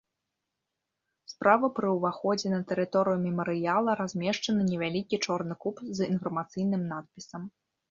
Справа пры ўваходзе на тэрыторыю мемарыяла размешчаны невялікі чорны куб з інфармацыйным надпісам.